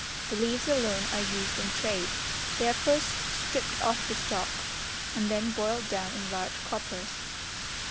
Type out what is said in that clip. The leaves alone are used in trade: they are first stripped off the stalk, and then boiled down in large coppers.